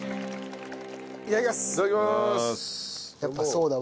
やっぱそうだ。